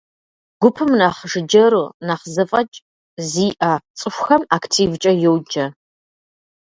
Гупым нэхъ жыджэру, нэхъ зэфӏэкӏ зиӏэ цӏыхухэм активкӏэ йоджэ.